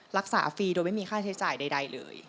รักษาฟรีโดยไม่มีค่าใช้จ่ายใดเลย